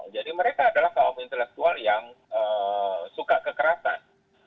jadi mereka adalah kaum intelektual yang suka kekerasan